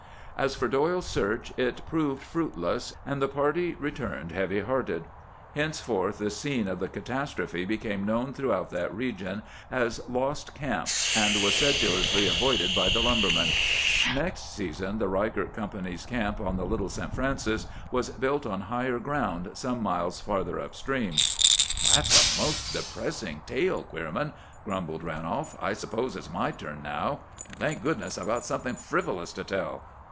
"As for Doyle's search, it proved fruitless, and the party returned heavy hearted. Henceforth the scene of the catastrophe became known throughout that region as 'Lost Camp,' and was sedulously avoided by the lumbermen. Next season the Ryckert Company's camp on the Little St. Francis was built on higher ground some miles farther up stream." "That's a most depressing tale, Queerman," grumbled Ranolf. "I suppose it's my turn now; and, thank goodness, I've got something frivolous to tell!"